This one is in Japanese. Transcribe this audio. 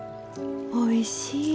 おいしい。